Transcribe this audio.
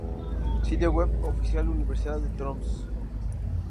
Sitio web oficial Universidad de Tromsø